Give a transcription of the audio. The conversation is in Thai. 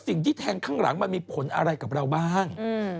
สิ่งที่แทงข้างหลังมันมีผลอะไรกับเราบ้าง